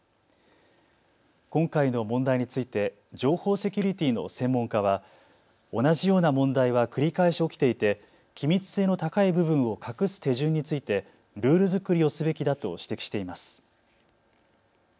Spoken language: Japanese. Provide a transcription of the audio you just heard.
今回の問題について情報セキュリティーの専門家は同じような問題は繰り返し起きていて機密性の高い部分を隠す手順についてルール作りをすべきだと指摘しています。